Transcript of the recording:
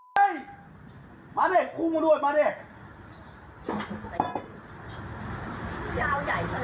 มาด้วยคุ้มกันด้วยมาด้วย